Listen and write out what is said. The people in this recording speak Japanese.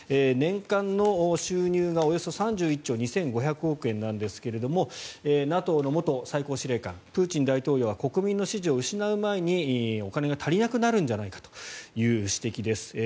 年間の収入がおよそ３１兆２５００億円ですがＮＡＴＯの元最高司令官プーチン大統領は国民の支持を失う前にお金が足りなくなるんじゃないかという指摘です。